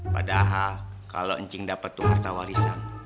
padahal kalau ncing dapet tuh harta warisan